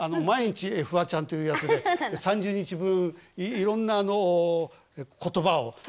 「まいにち、フワちゃん」っていうやつで３０日分いろんな言葉を。